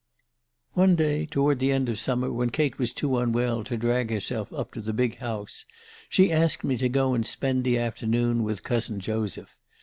"One day toward the end of the summer, when Kate was too unwell to drag herself up to the big house, she asked me to go and spend the afternoon with cousin Joseph.